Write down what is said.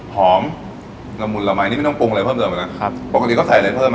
ละมุนละมัยนี่ไม่ต้องปรุงอะไรเพิ่มเติมเลยนะครับปกติก็ใส่อะไรเพิ่มนะ